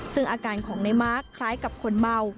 ซึ่งอาการของในมาร์คคล้ายกับคนเมา